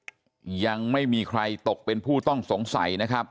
ส่วนเรื่องทางคดีนะครับตำรวจก็มุ่งไปที่เรื่องการฆาตฉิงทรัพย์นะครับ